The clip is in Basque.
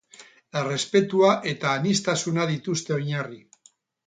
Errespetua eta aniztasuna dituzte oinarri.